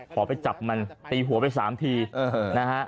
ขอไปจับมันตีหัวไป๓ทีนะฮะ